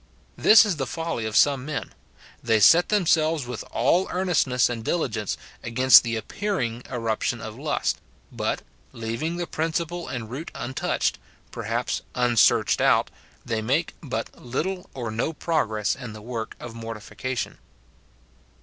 This is the folly of some men ; they set them selves with all earnestness and diligence against the ap pearing eruption of lust, but, leaving the principle and root untouched, perhaps unsearched out, they make but little or no progress in this work of mortification.